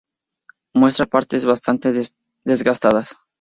Muestra partes bastante desgastadas.